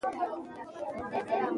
او دوو بجو وروسته